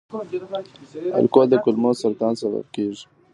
الکول د کولمو سرطان سبب کېږي.